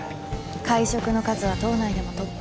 会食の数は党内でもトップ。